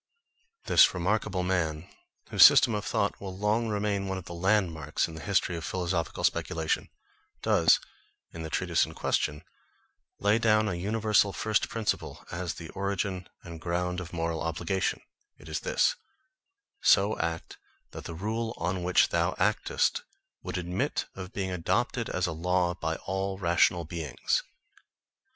This remarkable man, whose system of thought will long remain one of the landmarks in the history of philosophical speculation, does, in the treatise in question, lay down a universal first principle as the origin and ground of moral obligation; it is this: "So act, that the rule on which thou actest would admit of being adopted as a law by all rational beings."